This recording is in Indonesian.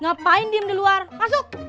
ngapain diem di luar masuk